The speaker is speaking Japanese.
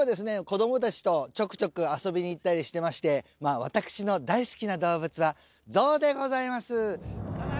子どもたちとちょくちょく遊びに行ったりしてましてまあ私の大好きな動物はゾウでございます。